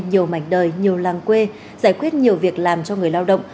nhiều mảnh đời nhiều làng quê giải quyết nhiều việc làm cho người lao động